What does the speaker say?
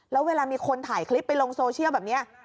แล้วเวลามีคนถ่ายคลิปไปลงโซเชียลแบบนี้